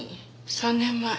３年前。